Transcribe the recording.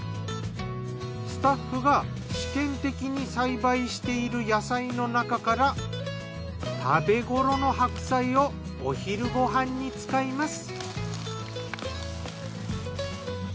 スタッフが試験的に栽培している野菜のなかから食べごろの白菜をお昼ご飯に使います。